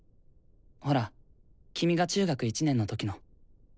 ほら君が中学１年の時の。